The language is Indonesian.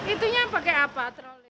ia juga bisa mengubah peta politik